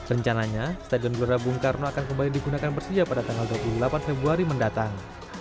rencananya stadion gelora bung karno akan kembali digunakan persija pada tanggal dua puluh delapan februari mendatang